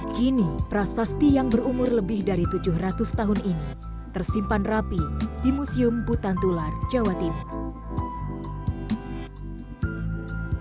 kini prasasti yang berumur lebih dari tujuh ratus tahun ini tersimpan rapi di museum butantular jawa timur